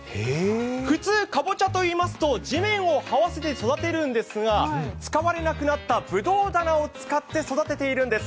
普通、かぼちゃといいますと地面をはわせて育てるんですが、使われなくなったぶどう棚を使って育てているんです。